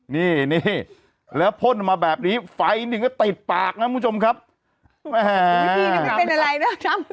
นี่นี่แล้วพ่นมาแบบนี้ไฟนึงก็ติดปากนะผู้ชมครับอุ้ยนี่มันเป็นอะไรน่ะ